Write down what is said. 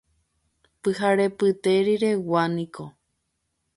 Pyharepyte riregua niko.